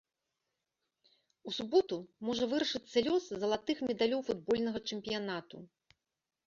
У суботу можа вырашыцца лёс залатых медалёў футбольнага чэмпіянату.